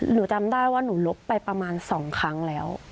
หนูจำได้ว่าหนูลบไปประมาณ๒ครั้งแล้ว